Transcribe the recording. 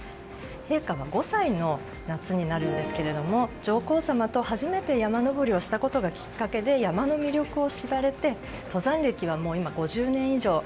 陛下は５歳の夏になるんですけども上皇さまと初めて山登りをしたことがきっかけで山の魅力を知られて登山歴は５０年以上。